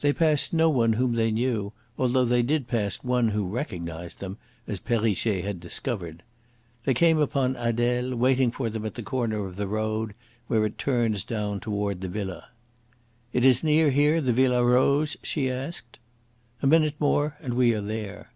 They passed no one whom they knew, although they did pass one who recognised them, as Perrichet had discovered. They came upon Adele, waiting for them at the corner of the road, where it turns down toward the villa. "It is near here the Villa Rose?" she asked. "A minute more and we are there."